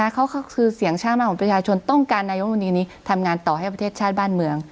เขาก็คือเสียงชาติมากของประชาชนต้องการนายกมนตรีนี้ทำงานต่อให้ประเทศชาติบ้านเมือง